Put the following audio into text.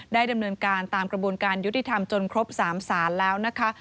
ดำเนินการตามกระบวนการยุติธรรมจนครบ๓ศาลแล้วนะคะ